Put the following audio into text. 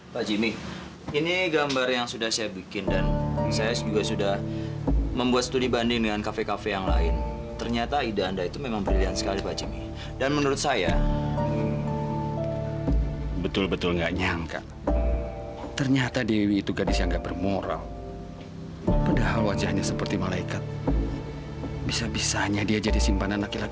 pertama pertama pertama